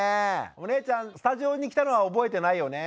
お姉ちゃんスタジオに来たのは覚えてないよね？